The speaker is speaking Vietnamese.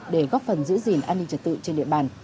để góp phần giữ gìn an ninh trật tự trên địa bàn